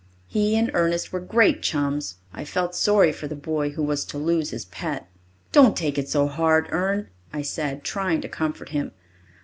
He and Ernest were great chums. I felt sorry for the boy who was to lose his pet. "Don't take it so hard, Ern," I said, trying to comfort him.